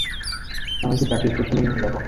আমি কী তাকে স্টেশনে নিয়ে যাব?